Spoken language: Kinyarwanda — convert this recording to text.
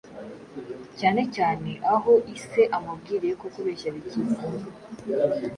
cyane cyane aho ise amubwiriye ko kubeshya bikiza.